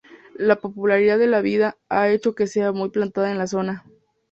La popularidad de la vid ha hecho que sea muy plantada en la zona.